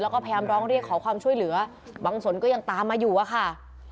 แล้วก็พยายามร้องเรียกขอความช่วยเหลือบางส่วนก็ยังตามมาอยู่อะค่ะ